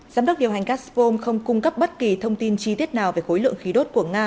giám đốc điều hành gazprom không cung cấp bất kỳ thông tin chi tiết nào về khối lượng khí đốt của nga